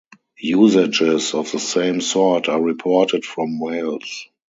Usages of the same sort are reported from Wales.